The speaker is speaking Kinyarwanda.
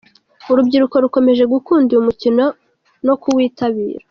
Urubyiruko rukomeje gukunda uyu mukino no ku witabira.